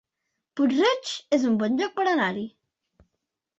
Puig-reig es un bon lloc per anar-hi